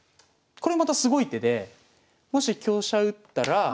これまたすごい手でもし香車打ったら。